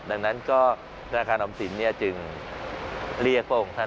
ดังนั้นก็ธนาคารออมสินจึงเรียกพระองค์ท่าน